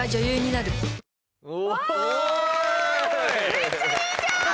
めっちゃいいじゃん！